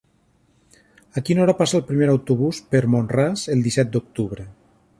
A quina hora passa el primer autobús per Mont-ras el disset d'octubre?